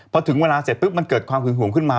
พอถึงเวลาเสร็จปุ๊บมันเกิดความหึงห่วงขึ้นมา